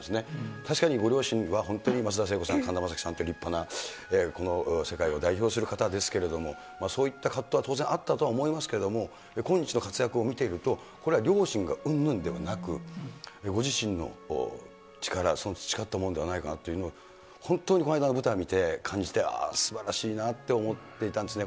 確かにご両親は本当に松田聖子さん、神田正輝さんという立派なこの世界を代表する方ですけれども、そういった葛藤は当然あったと思いますけれども、今日の活躍を見てると、これは両親がうんぬんではなく、ご自身の力、培ったものではないかなと、本当にこの間の舞台を見て感じて、すばらしいなって思っていたんですね。